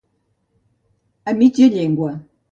A mitja llengua.